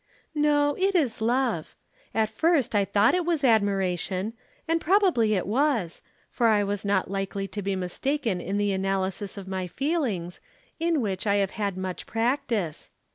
"No, it is love. At first I thought it was admiration, and probably it was, for I was not likely to be mistaken in the analysis of my feelings, in which I have had much practice.